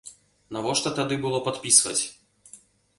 Навошта тады было падпісваць?